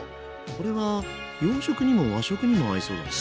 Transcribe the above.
これは洋食にも和食にも合いそうだね。